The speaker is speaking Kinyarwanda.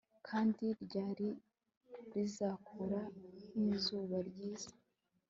Kandi ryari rizakura nkizuba ryiza